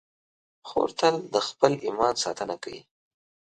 خور تل د خپل ایمان ساتنه کوي.